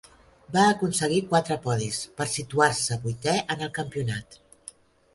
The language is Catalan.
Va aconseguir quatre podis per situar-se vuitè en el campionat.